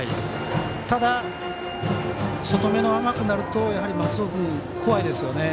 ただ、外めの甘くなると松尾君、怖いですよね。